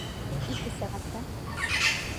Ике сәғәттән!